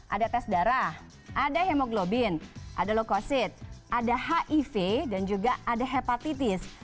ada tes darah ada hemoglobin ada lokosit ada hiv dan juga ada hepatitis